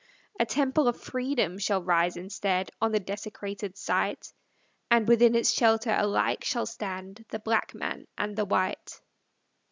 A temple of Freedom shall rise instead, On the desecrated site: And within its shelter alike shall stand The black man and the white.